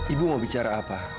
ibu mau bicara apa